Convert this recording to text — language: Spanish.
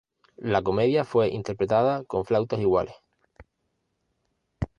La comedia fue interpretada con flautas iguales.